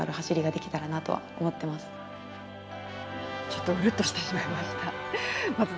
ちょっとウルッとしてしまいました。